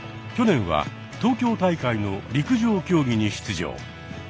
去年は東京大会の陸上競技に出場。